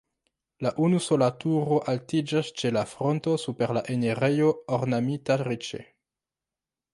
La unusola turo altiĝas ĉe la fronto super la enirejo ornamita riĉe.